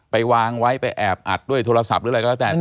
ไปวางไว้ไปแอบอัดด้วยโทรศัพท์